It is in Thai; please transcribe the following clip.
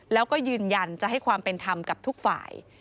แล้วก็ยืนยันจะให้ความเป็นธรรมกับทุกฝ่าย